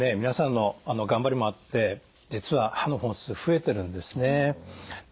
皆さんの頑張りもあって実は歯の本数増えてるんですね。